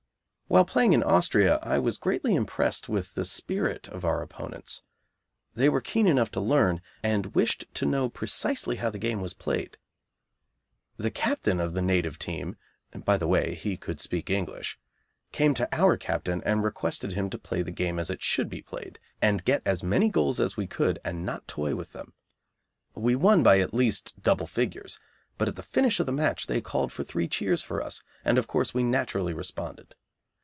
While playing in Austria, I was greatly impressed with the spirit of our opponents. They were keen enough to learn, and wished to know precisely how the game was played. The captain of the native team (by the way, he could speak English) came to our captain and requested him to play the game as it should be played, and get as many goals as we could and not toy with them. We won by at least double figures, but at the finish of the match they called for three cheers for us, and of course we naturally responded.